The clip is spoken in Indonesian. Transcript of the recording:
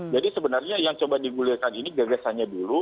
jadi sebenarnya yang coba digulirkan ini gagasannya dulu